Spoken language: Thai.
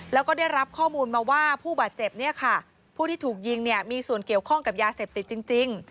แล้วก็ได้รับข้อมูลมาว่าผู้บาดเจ็บเนี่ยค่ะผู้ที่ถูกยิงเนี่ยมีส่วนเกี่ยวข้องกับยาเสพติดจริง